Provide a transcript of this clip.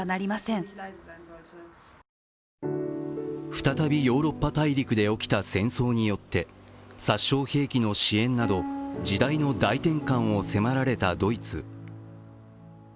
再びヨーロッパ大陸で起きた戦争によって殺傷兵器の支援など、時代の大転換を迫られたドイツ。